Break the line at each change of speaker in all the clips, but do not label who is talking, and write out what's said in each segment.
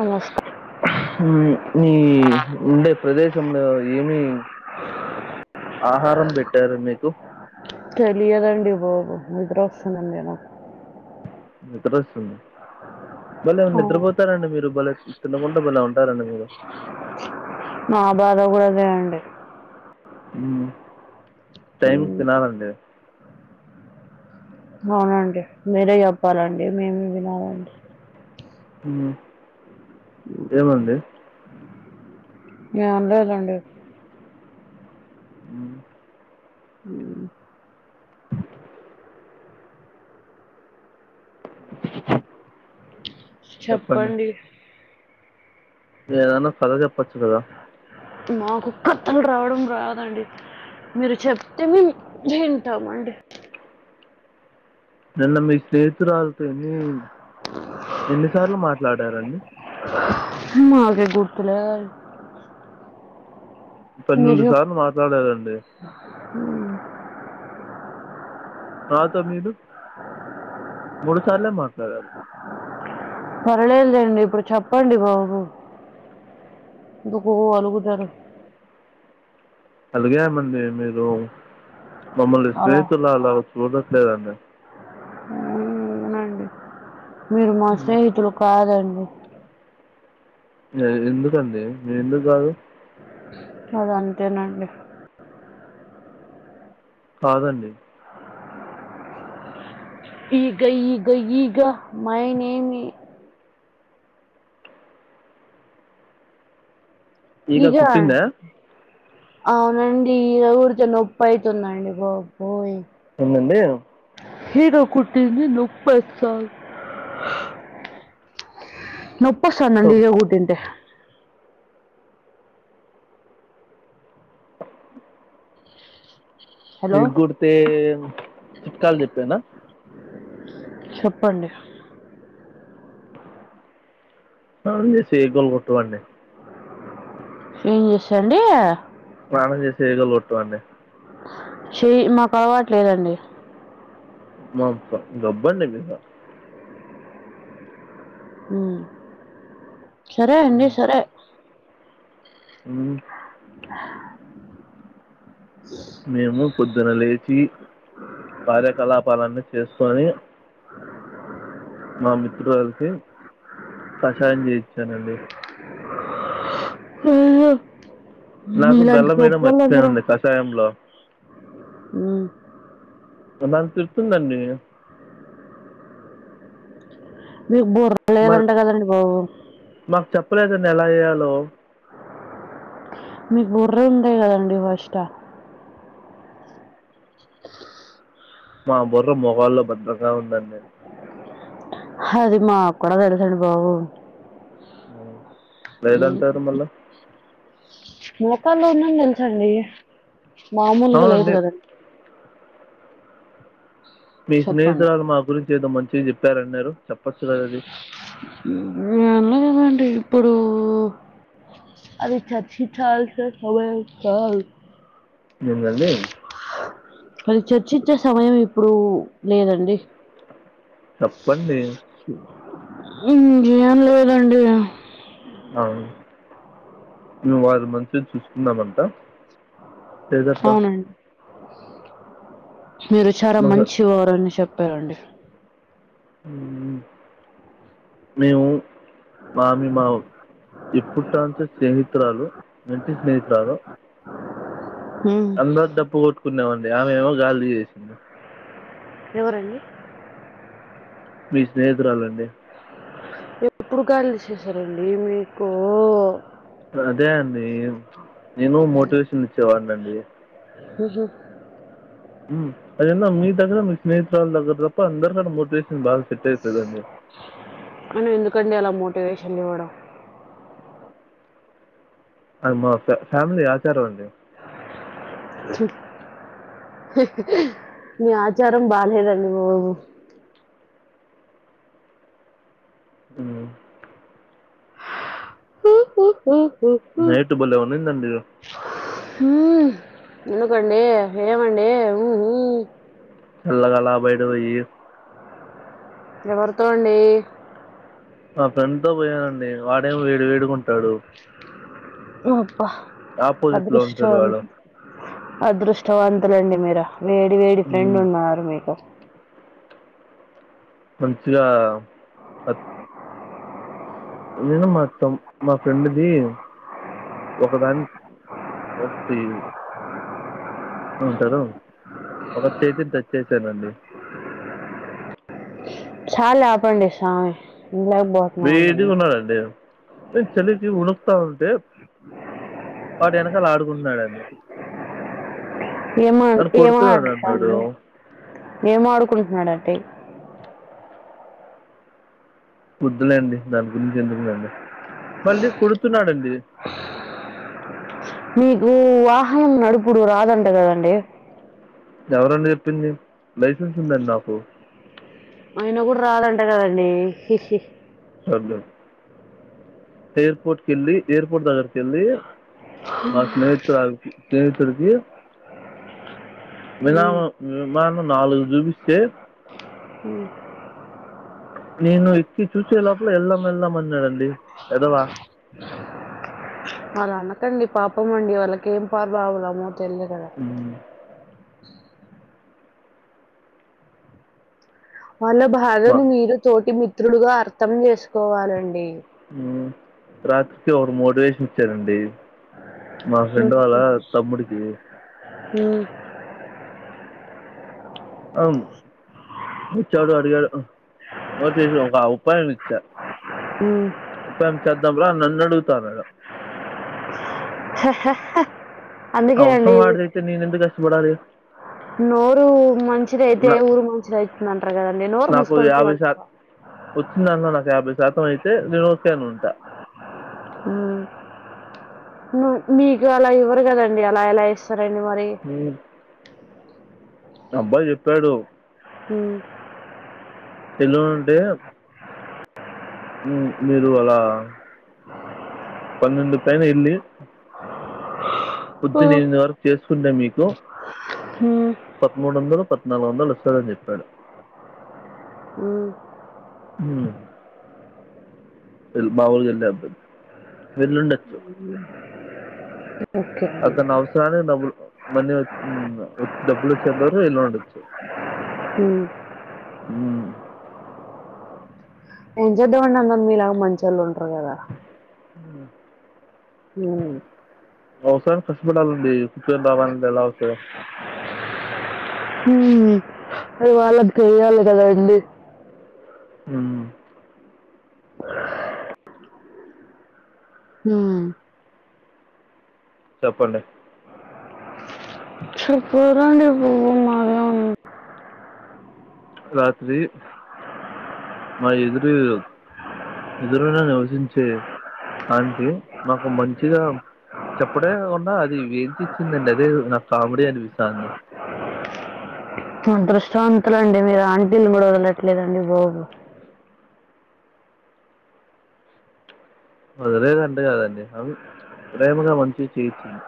నమస్తే
హ్మ్ మ్మ్ ఉండే ప్రదేశంలో ఏమి ఆహారం పెట్టారు మీకు
తెలియదండి బాబు నిద్ర వస్తుందండి నాకు
నిద్ర వస్తుంది మళ్ళీ నిద్రపోతు ఉంటారండి మీరు బలే తినకుండా బలే ఉంటారండి మీరు
మన బాధ కూడా అదే అండి
హ్మ్ టైమ్ కి
ఉమ్,
తినాలండి
అవునండి మీరే చెప్పాలండి మేమే వినాలండి
ఏమండి
ఏం లేదండి
హ్మ్
హ్మ్ చెప్పండి
నేనేమైనా కధ చెప్ ప్పచ్చుగా
మాకు కత్తలు రావడం రాదండి మీరు చెప్తే వింటామండి
నిన్న మీ స్నేహితురాలతోనిఎన్ని ఎన్నిసార్లు మాట్లాడారండి
నాకే గుర్తులేదండి
పన్నెండు సార్లు మాట్లాడారండి
హ్మ్
తరువాత మీరు మూడు సాలె మాట్లాడవు
పర్లేదులేండి ఇప్పుడు చెప్పండి బాబు ఎందుకు అలుగుతారు
అలాగేమండి మీరు మమ్మల్ని
అలా
స్నేహితులు అలా చూడట్లేదండి
అవునండి మీరు మా స్నేహితులు కాదండి
గదే ఎందుకండి ఎందుకు కాదు
అది అంతేనండి
కాదండి
ఈగ ఈగ ఈగా మైనేమి
ఈగ
ఈగా
కుట్టిందా
అవునండి ఈగ కుడోతే నొప్పి అవుతుందండి గపోయి
ఎందండి
ఈగ కుట్టింది నొపస్త నోపి వస్తుంది
ఓ,
అండి ఈగ కుటంటే హలో
ఈగుడితే చిుట్కాలు చెప్పానా
చెప్పండి
ఆవును మీ చేయితిని కుట్టుమను
ఏం చేసాండి
స్నానం చేసి ఈగలు కొట్టు అండి
చి మాకు అలవాటులేదండి
మాప గబ్బండి మీదాట
సరే అండి సరే
ఉమ్మ్ మేము పొద్దున లేచి కార్యకలాపాలన్నీ చేసుకొని మా మిత్రురాలికి కషాయం చేయించానండి
హా మీ
నాకు
ఇలాంటి
బెల్లం
గొప్ప
వేయడం
వాళందరు
మర్చిపోయానండి కషాయంలో
ఊ
ఇగ నను తిడుతుందండి
మీకు బుర్ర లేదంట
మళ్ళీ
లేదంట కదండీ బాబు
మాకు చెప్పలేదని ఎలా చేయాలో
మీకు బుర్ర ఉంది కదండి ఫస్ట
మా బుర్ర మొగాల్లో భద్రంగా ఉందండి
అది మా కూడా తెలుసు అండి బాబు
ఊ లేదు అంటారు మళ్ళా
మోకాల్లో ఉందని తెలుసండి మామూలుగా లేదు
అవునండి
కదండి
మీ
చెప్పండి
స్నేహితురాలు మా గురించి ఏదో మంచిగా చెప్పారన్నారు చెప్పొచ్చు కద అది
మామే కదండీ ఇప్పుడు అది చచ్చి చల్ స [unintelligible] కాదు
నిన్నండి
అది చర్చించే సమయం ఇప్పుడు లేదండి
చెప్పండి
అ ఇంగేమ్ లేదండి
అవు నువ్వు వాళ్ళని మంచి చూసుకుందమంట
అవునం మీరు చాలా
మా
మంచి వారని చెప్పారండి
ఉమ్ మేము మామి మా ఇప్పుట్టాంచ స్నేహితురాలు ఇంటి స్నేహితురాలు
ఉమ్
అందరు డప్పు కొట్టుకునేవాళ్ళే ఆమె ఏమో గాలి తీచేసింది
ఎవరండి
మీ స్నేహితురాలండి
ఎప్పుడు గాలి చేసారండి మీకు
అదే అండి నేను మోటివేషన్ ఇచ్చేవాడినండి
ఉహు
అదన్నా మీ దగ్గర మీ స్నేహితురాళ దగ్గర తప్ప అందరిక కూడా మోటివేషన్ బాల్స
అని ఎందుకండి అలా మోటివేషన్ ఇవ్వడం
అది మా ఫ ఫ్యామిలీ ఆచారామండీ
మీ ఆచారం బాగాలేదండి బాబు
ఉమ్
హు హు హుహు
నైట్ బలేవందండిరు
ఉమ్ నినుకండే ఏమండే హు హుమ్మ్
సల్లగలా బయటపోయి
ఎవరితోండి
మా ఫ్రెండ్తో పోయానండి వాడేం వేడి వేదిగుంటాడు
అప్పా
ఆపోజిట్లో
అదృష్టం
ఉంటాడు
అం
వాడు
అదృష్టవంతులండి మీరు వేడి వేడి ఫ్రెండ్
మ్మ్.
ఉన్నారు మీకు
మంచిగా అత్- నేను మాతం మా ఫ్రెండ్ది ఒక దాన్ ఒక ఉంటరు ఒక చేతిని టచ్ చేశానండి
చాలప్పడి సామీ
వేడిగా ఉన్నధండి నే చలికి ఉణకుతా ఉంటే వాడేనకాల ఆడుకుంటున్నడుండి
ఏమ
నన్ను
ఏం
కొడుతున్నాడు అన్నాడు
ఆడుండి ఏం ఆడుకుంటున్నడుంటే
వద్దులే అండి దాని గురించి ఎందుకునండి మళ్ళీ కుడుతున్నాడండి
మీకు వాహనం నడుపుడు రాదంట కదండి
ఎవరన్నీప్పింది లైసెన్స్ ఉందండి నాకు
ఆయన కూడా రాదంట కదండీ
సర్ ఏయిర్పోర్ట్ కిల్లీ ఏర్పోర్ట్ దగర ఏళ్లి నా సెహితురాలు సెహితుడికి విలామ
ఉమ్.
విమానం నాలుగు చూపిస్తే
ఉమ్
నేను ఎక్కి చూసేలోపల వెళ్దాం వెళ్దాం అన్నడండి ఎదవా
వాళ్ళు అనకండి పాపం అండి వాళ్ళకి ఏం పార్ బావులమో తెలియ కదా
ఉమ్
వాళ్ళ
మా
బాధను మీరు తోటి మిత్రులుగా అర్థం చేసుకోవాలండి
రాత్రికి ఒకరు మోటివేషన్ ఇచ్చారండి మా ఫ్రెండ్ వాళ్ళ తమ్ముడికి
హమ్
అవున్ వచ్చాడు అడిగాడు మోటివేషన్ ఒక ఉపాయం ఇచ్చా
హ
ఉపాయం చేద్దాం రా నన్ను అడుగతాన్నాడు
హా హా
అవసరమా వాడిదతే నేను ఎందుకు కష్టపడాలి
నోరు మంచిది అయితే
నా
ఊరు మంచిది అవుతుందింటారు కదండి నోరు ముసుకో
వచ్చిందన్న నాకు యాభై శాతం అయితే నేను ఉంటా
హమ్ మీకు అలా ఇవ్వరు కదండి అలా ఎలా ఇస్తారండి మరి
హమ్ అబ్బాయి చెప్పాడు
హ
తేల్వ ఉంటే ఉమ్ మీరు అలా పన్నెండు పైన ఏళ్లి పొద్దున్న
హ్మ్.
ఎనిమిది వరకు చేసుకుంటా మీకు
హ్మ్.
పదమూడు వందలు పద్నాలుగు వందలు వస్తాదని చెప్పాడు
ఉ
ఉ వెల్ బావుల్ డబ్ వెల్లుడొచ్చు
ఓకే అండి
అతను అవసరాన్ని డబ్బు మణి డబ్బులు వచ్చేంతవరకు ఇల్లానే ఉండొచ్చు
ఉ ఎం చేద్దండి అందర్ మీలాగా మంచోళ్ళు ఉండరు కదా
ఉ
ఉ
అవసరానికి కష్టపడాలండి కూర్చొని రావాలి అంటే ఎలా వస్తది
హు అది వాళ్ళకి తెలియాలి కదా అండి
ఉ
హు
చెప్పండి
చెప్పరండి పోవ మాగా ఉ [unintelligible]
రాత్రి మా ఎదురు ఇళ్ళు ఎదురున నివసించే ఆంటీ మాకు మంచిగా చెప్పడే కాకుండా అది వేంచి ఇచ్చిందండి అదే నాకు కామెడీ అనిపిస్తంది
అదృష్టం వంతులండి మీరు ఆంటీలను కూడ వదలట్లేదండి బాబు
వదలేదంట కదండి అవి ప్రేమగా మంచిగా చేయిచ్చింది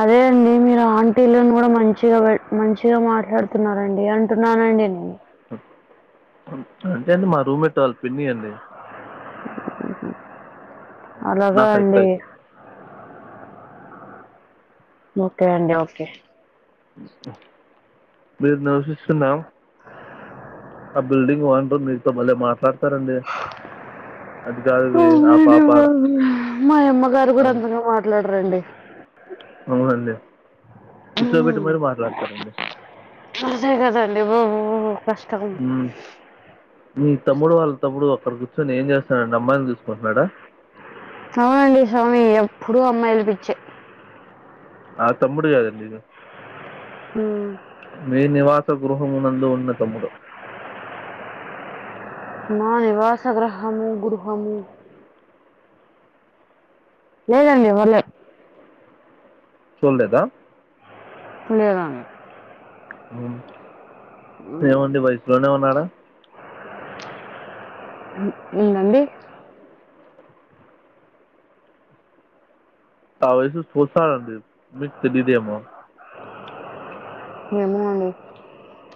అదే అండి మీరు ఆంటీలను కూడా మంచిగా మంచిగా మాట్లాడుతున్నరండి అంటున్నానండి నేను
అంటే అండి మా రూమ్మేట్ వల్ల పిన్ని అండి
అలాగా
నాకు అయితే
అండి
అవుతుంది
ఓకే అండి ఓకే
మీరు నవశిస్తున్నాం ఆ బిల్డింగ్ ఓనరు మీతో బలే మాట్లాడతారండి అది కాదే ఆ పాప
ఉహ్ మై అమ్మగారు కూడా
అది
అంతగా మాట్లాడరండి
అవునండి కూర్చోబెట్టి
మ్మ్.
మరీ మాట్లాడతారండి
అదే కదండి బాబు కష్టం
ఉ మీ తమ్ముడు వాళ్ళ తమ్ముడు అక్కడ కూర్చొని ఏం చేస్తన్నాడు అమ్మాయిని చూసుకుంటున్నాడా
అవునండి స్వామి ఎప్పుడు అమ్మాయిల పిచ్చే
ఆ తమ్ముడు కాదండీ ఇగ
ఉ
మీ నివాస గృహము నందు ఉన్న తమ్ముడు
నా నివాస గ్రహమ్ గ్రూహమ్ లేదండి వల్లే
చూన్ లేదా
లేదండి
అవును ఏమండి వయసులోనే ఉన్నాడా
ఉ ఎందండీ
ఆ వయసు చూస్తారండీ మీక్ తెలీదు ఏమో
ఏమో అండి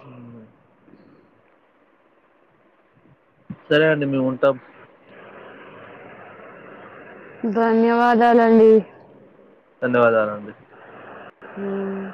ఉ సరే అండి మేము ఉంటాం
ధన్యవాదాలండి
ధన్యవాదాలు అండి
ఉమ్.